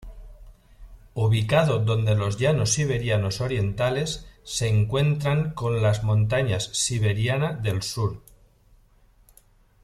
Ubicado donde los llanos siberianos orientales se encuentran con las montañas siberiana del sur.